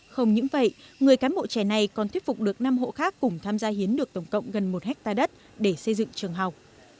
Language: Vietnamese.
không những vậy người cán bộ trẻ này còn thuyết phục được năm hộ khác cùng tham gia hiến được tổng cộng gần một hectare đất để xây dựng trường học